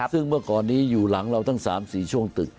ซึ่งเมื่อก่อนนี้อยู่หลังเราทั้ง๓๔ช่วงตึก